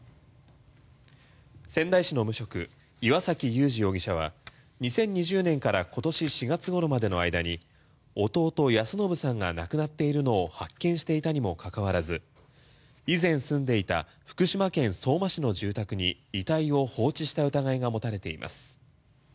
仙台市の無職・岩崎祐二容疑者は２０２０年から今年４月ごろまでの間に弟・安伸さんが亡くなっているのを発見していたにもかかわらず以前、住んでいた福島県相馬市の住宅に遺体を放置した疑いが持たれています。